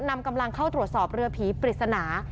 นำกำลังเข้าตรวจสอบเรือผีปริศนา